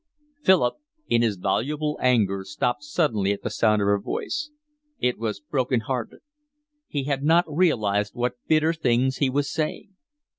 Philip in his voluble anger stopped suddenly at the sound of her voice. It was heart broken. He had not realised what bitter things he was saying.